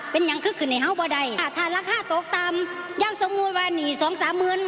เป็นอย่างคือขึ้นให้เขาบ่อยได้ถ้าราคาตกตามอย่างสมมุติว่านี่สองสามหมื่น